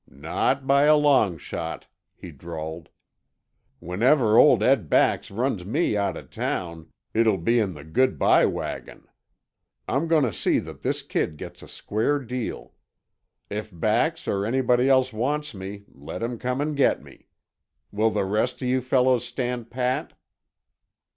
"Not by a long shot!" he drawled. "Whenever old Ed Bax runs me out uh town, it'll be in the good by wagon. I'm goin' to see that this kid gets a square deal. If Bax or anybody else wants me let 'em come and get me. Will the rest uh you fellows stand pat?"